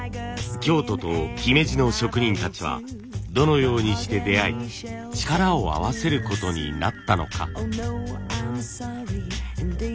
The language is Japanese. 京都と姫路の職人たちはどのようにして出会い力を合わせることになったのか。